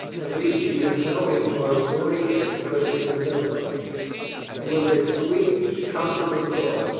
At least she would know him for a gaudy hypocrite and a villain. It was a sweet, comfortable thought.